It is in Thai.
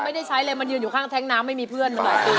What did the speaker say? ไม่ได้ใช้เลยมันยืนอยู่ข้างแท้งน้ำไม่มีเพื่อน